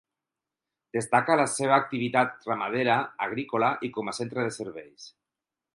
Destaca la seva activitat ramadera, agrícola i com a centre de serveis.